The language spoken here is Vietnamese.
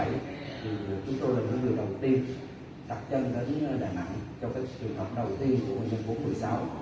chúng tôi là một người đồng tiên tập trung đến đà nẵng trong cái trường học đầu tiên của một mươi bốn một mươi sáu